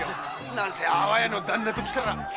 何せ安房屋の旦那ときたら。